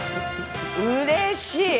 うれしい。